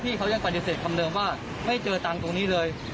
เขายังปฏิเสธคำเดิมว่าไม่เจอตังค์ตรงนี้เลย